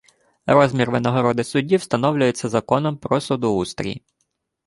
Розмір винагороди судді встановлюється законом про судоустрій.